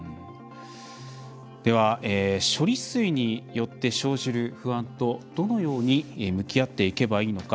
では、処理水によって生じる不安と、どのように向き合っていけばいいのか。